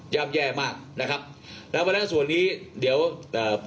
่ำแย่มากนะครับแล้วเพราะฉะนั้นส่วนนี้เดี๋ยวเอ่อ